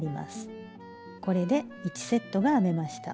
これで１セットが編めました。